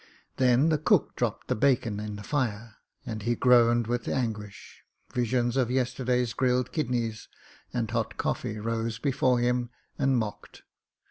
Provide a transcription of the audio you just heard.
Then the cook dropped the bacon in the fire, and he groaned with anguish; visions of yesterday's grilled kidneys and hot coffee rose before him and mocked.